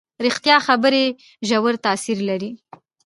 ریښتیا خبرې ژور تاثیر لري.